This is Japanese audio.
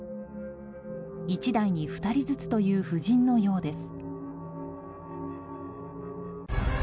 １台に２人ずつという布陣のようです。